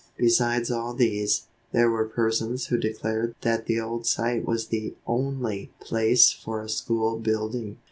Besides all these, there were persons who declared that the old site was the only place for a school building.